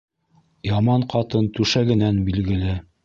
Яман ҡатын түшәгенән билгеле.